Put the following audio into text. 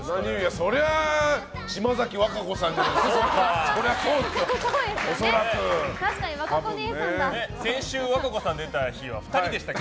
そりゃ島崎和歌子さんじゃないですか？